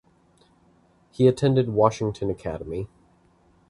He attended Washington Academy.